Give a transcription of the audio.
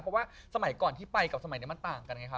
เพราะว่าสมัยก่อนที่ไปกับสมัยนี้มันต่างกันไงคะ